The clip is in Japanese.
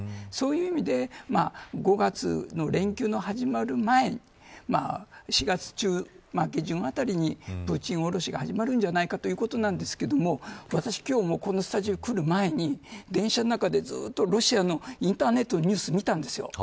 そういう意味で５月の連休の始まる前４月中、下旬あたりにプーチンおろしが始まるんじゃないかということなんですが私、今日もこのスタジオに来る前にずっと電車でロシアのインターネットニュースを見たんです。